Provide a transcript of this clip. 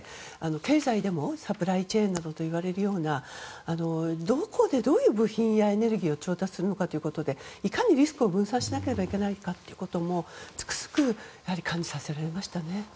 経済でもサプライチェーンのことをいわれるようなどこで、どういう部品やエネルギーを調達するかでいかにリスクを分散しなければいけないかもつくづく感じさせられましたね。